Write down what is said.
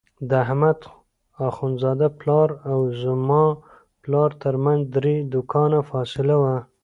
د احمد اخوندزاده پلار او زما پلار ترمنځ درې دوکانه فاصله وه.